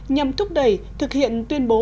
nhằm thúc đẩy thực hiện tuyên bố